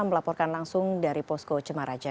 melaporkan langsung dari posko cemaraja